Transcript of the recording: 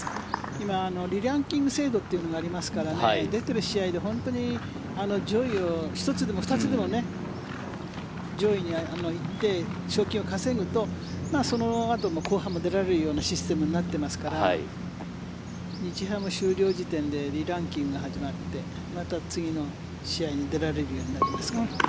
今、リランキング制度というのがありますからね出ている試合で本当に上位を１つでも２つでも上位に行って賞金を稼ぐとそのあとの後半も出られるようなシステムになってますから日ハム終了時点でリランキングが始まってまた次の試合に出られるようになりますからね。